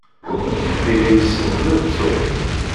Aya yessebded Tom.